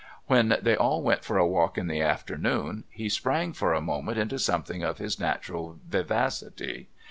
When they all went for a walk in the afternoon, he sprang for a moment into something of his natural vivacity.